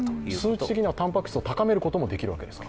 数値的にはたんぱく質を高めることもできるんですか？